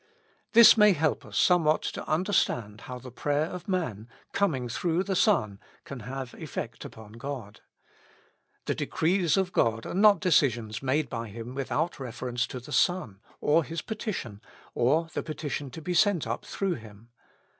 * This may help us somewhat to understand how the prayer of man, coming through the Son, can have effect upon God. The decrees of God are not deci sions made by Him without reference to the Son, or His petition, or the petition to be sent up through Him.